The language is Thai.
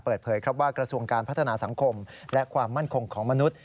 เปิดเผยครับว่ากระทรวงการพัฒนาสังคมและความมั่นคงของมนุษย์